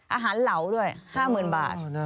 อาหารเหลาด้วย๕๐๐๐๐บาท